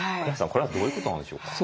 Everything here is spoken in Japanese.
これはどういうことなんでしょうか？